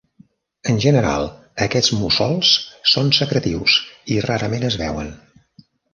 En general, aquests mussols són secretius, i rarament es veuen.